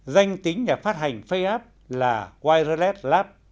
danh tính nhà phát hành faceapp là wireless lab